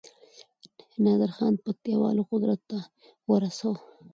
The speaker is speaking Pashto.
نادرخان پکتياوالو قدرت ته ورساوه